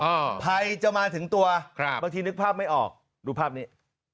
ภัยจะมาถึงตัวครับบางทีนึกภาพไม่ออกดูภาพนี้